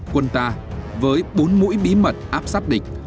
quân ta với bốn mũi bí mật áp sát địch